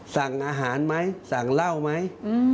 สั่งอาหารไหมสั่งเหล้าไหม